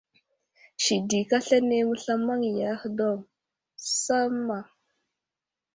Sidik aslane məslamaŋwiya ahe daw samma.